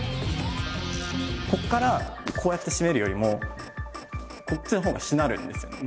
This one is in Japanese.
ここからこうやって締めるよりもこっちのほうがしなるんですよね。